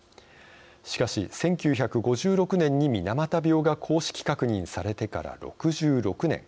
しかし、１９５６年に水俣病が公式確認されてから６６年。